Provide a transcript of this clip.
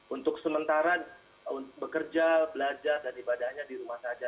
untuk sementara bekerja belajar dan ibadahnya di rumah saja